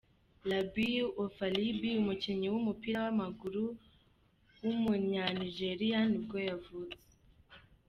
Rabiu Afolabi, umukinnyi w’umupira w’amaguru w’umunyanigeriya nibwo yavutse.